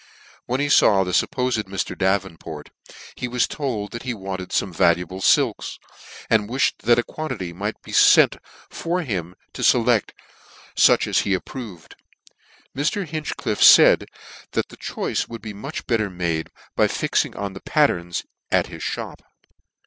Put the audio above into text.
When he faw the fuppofed Mr. Davenport, he was told that he wanted fome valuable filks, and wifhed that a quantity might be lent, for him to feled fuch as he approved. Mr. Hinchcliffe laid that the choice would be much better made by fixing on the patterns at his Ibop.